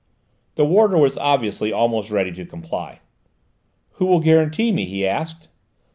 The warder was obviously almost ready to comply. "Who will guarantee me?" he asked.